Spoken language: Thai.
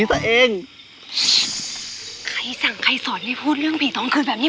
ตัวเองใครสั่งใครสอนให้พูดเรื่องผีท้องคืนแบบนี้